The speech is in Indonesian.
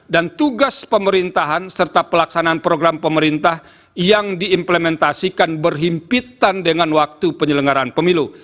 dan tugas pemerintahan serta pelaksanaan program pemerintah yang diimplementasikan berhimpitan dengan waktu penyelenggaraan pemilu